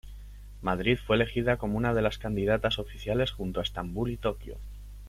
Madrid fue elegida como una de las candidatas oficiales, junto a Estambul y Tokio.